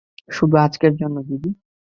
শুধু আজকের জন্য দিদি।